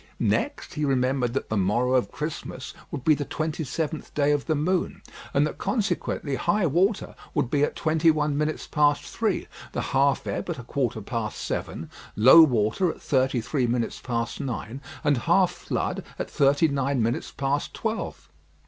Next, he remembered that the morrow of Christmas would be the twenty seventh day of the moon, and that consequently high water would be at twenty one minutes past three, the half ebb at a quarter past seven, low water at thirty three minutes past nine, and half flood at thirty nine minutes past twelve.